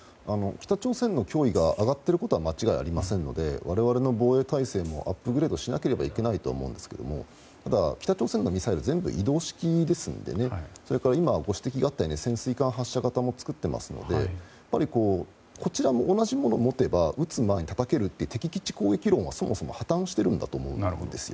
北朝鮮の脅威が上がっていることは間違いありませんので我々の防衛体制もアップグレードしなければいけないとは思うんですがただ北朝鮮のミサイル全部移動式ですのでそれから今ご指摘があったように潜水艦発射型も作っているのでやっぱりこちらも同じものを持てば打つ前にたたけるという敵基地攻撃論がそもそも破綻していると思います。